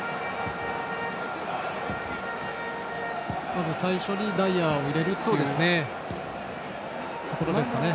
まず最初にダイアーを入れるというところですかね。